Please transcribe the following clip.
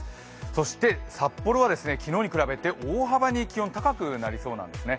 そして札幌は昨日に比べて大幅に気温が高くなりそうなんですよね。